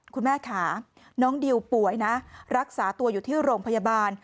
คุณแม่ค่ะน้องดิวป่วยนะรักษาตัวอยู่ที่โรงพยาบาล